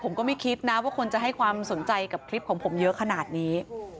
ผมก็ไม่คิดนะว่าคนจะให้ความสนใจกับคลิปของผมเยอะขนาดนี้